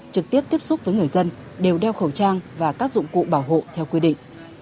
trực tiếp tiếp xúc với người dân đều đeo khẩu trang và các dụng cụ bảo hộ theo quy định